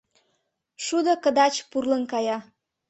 Шудо кыдач пурлын кая;